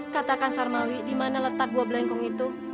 katakan sarmawi dimana letak gua belengkong itu